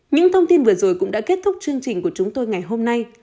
những thông tin vừa rồi cũng đã kết thúc chương trình của chúng tôi ngày hôm nay